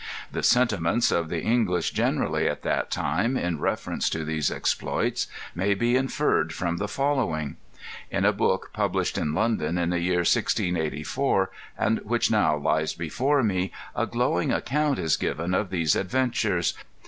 The sentiments of the English generally, at that time, in reference to these exploits, may be inferred from the following: In a book published in London, in the year 1684, and which now lies before me, a glowing account is given of these adventures.